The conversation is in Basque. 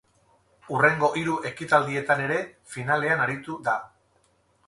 Hurrengo hiru ekitaldietan ere finalean aritu da.